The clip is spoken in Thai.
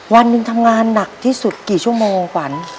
วันหนึ่งทำงานหนักที่สุดกี่ชั่วโมงขวัญ